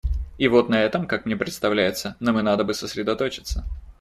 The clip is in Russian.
И вот на этом, как мне представляется, нам и надо бы сосредоточиться.